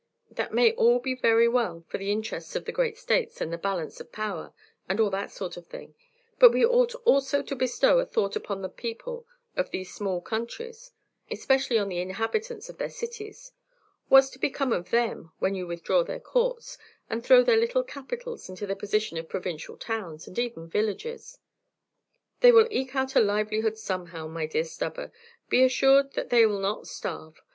"That may all be very well for the interests of the great states, and the balance of power, and all that sort of thing; but we ought also to bestow a thought upon the people of these small countries, especially on the inhabitants of their cities. What's to become of them when you withdraw their courts, and throw their little capitals into the position of provincial towns and even villages?" "They will eke out a livelihood somehow, my dear Stubber. Be assured that they 'll not starve.